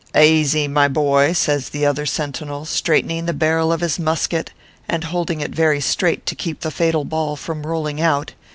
"Aisey, me boy/ says the other sentinel, straight ening the barrel of his musket and holding it very straight to keep the fatal ball from rolling out